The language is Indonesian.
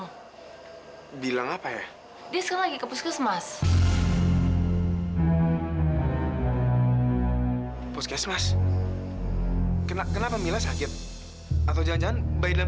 hai bilang apa ya desa lagi ke puskesmas puskesmas kenapa mila sakit atau jangan jangan bayi dalam